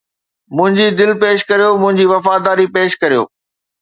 منهنجي دل پيش ڪريو، منهنجي وفاداري پيش ڪريو